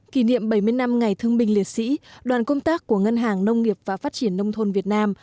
kỷ niệm bảy mươi năm ngày thương binh liệt sĩ đoàn công tác của ngân hàng nông nghiệp và phát triển nông thôn việt nam